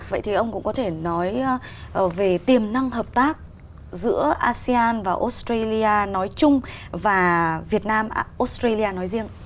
vậy thì ông cũng có thể nói về tiềm năng hợp tác giữa asean và australia nói chung và việt nam australia nói riêng